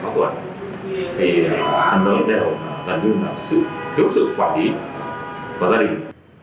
của gia đình